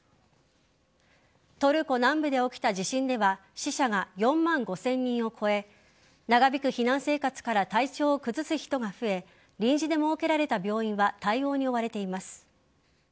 トルコ南部で起きた地震では死者が４万５０００人を超え長引く避難生活から体調を崩す人が増え臨時で設けられた病院は対応に追われています。